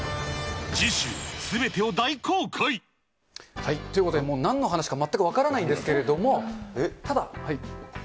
次週、すべてを大公開！ということで、もうなんの話か全く分からないんですけど、ただ。